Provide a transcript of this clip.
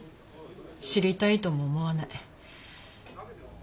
知りたいとも思わない。